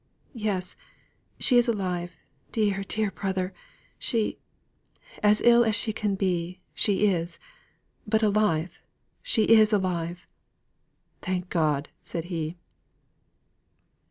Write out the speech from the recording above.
"Yes, she is alive, dear, dear brother! She as ill as she can be she is; but alive! She is alive!" "Thank God!" said he.